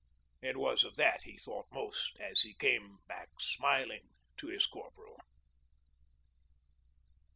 It was of that he thought most as he came back smiling to his Corporal.